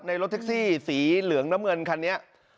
รถแท็กซี่สีเหลืองน้ำเงินคันนี้